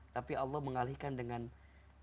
tapi allah mengalihkan doa kita